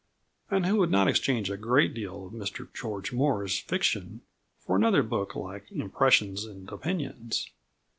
And who would not exchange a great deal of Mr George Moore's fiction for another book like Impressions and Opinions?